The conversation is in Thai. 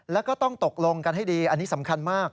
แล้วก็ต้องตกลงกันให้ดีอันนี้สำคัญมาก